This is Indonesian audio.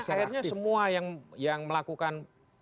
akhirnya semua yang melakukan